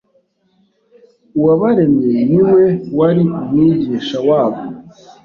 Uwabaremye ni we wari umwigisha wabo.